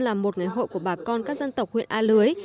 là một ngày hội của bà con các dân tộc huyện a lưới